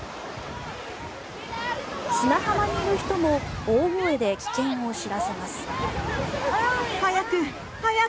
砂浜にいる人も大声で危険を知らせます。